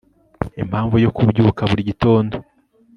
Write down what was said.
impamvu yo kubyuka buri gitondo